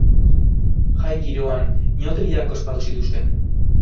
Jai giroan inauteriak ospatu zituzten.